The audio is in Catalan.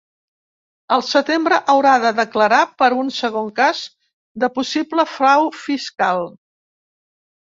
El setembre haurà de declarar per un segon cas de possible frau fiscal.